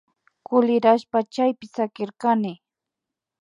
Kulirashpa chaypi sakirkani